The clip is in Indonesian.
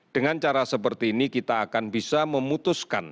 dengan cara seperti ini kita akan bisa memutuskan